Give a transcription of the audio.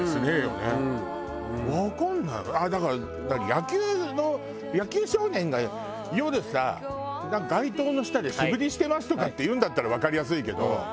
野球の野球少年が夜さ街灯の下で素振りしてますとかっていうんだったらわかりやすいけど。